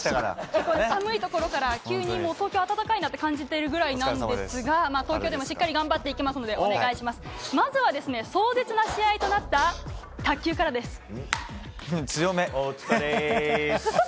寒いところから、東京は暖かいなと感じているんですが東京でもしっかり頑張っていきますのでよろしくお願いします。